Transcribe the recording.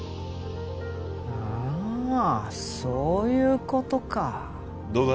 ああそういうことかどうだ？